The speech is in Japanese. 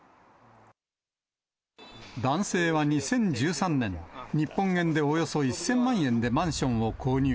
男性は２０１３年、日本円でおよそ１０００万円でマンションを購入。